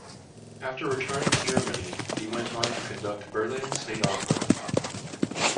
After returning to Germany, he went on to conduct Berlin State Opera.